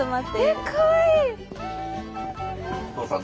えっかわいい！